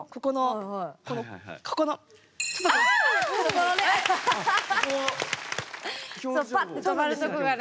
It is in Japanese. そうパッて止まるとこがね。